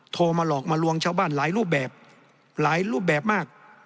โทรมาหลอกมาลวงชาวบ้านหลายรูปแบบหลายรูปแบบมาก